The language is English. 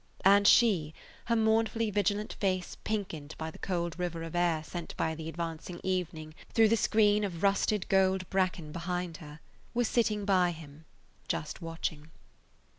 And she, her mournfully vigilant face pinkened by the cold river of air sent by the advancing evening through the screen of rusted gold bracken behind her, was sitting by him, just watching.